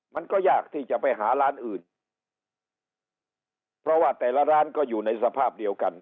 มันก็ยากที่จะไปหาร้านอื่นเพราะว่าแต่ละร้านก็อยู่ในสภาพเดียวกัน